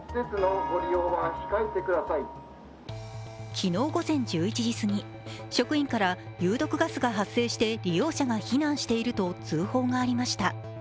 昨日午前１１時過ぎ、職員から有毒ガスが発生して利用者が避難していると通報がありました。